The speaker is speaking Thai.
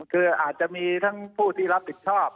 คืออาจจะมีทั้งผู้ที่รับผิดชอบ